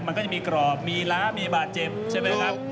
มันก็จะมีกรอบมีล้ามีบาดเจ็บใช่ไหมครับ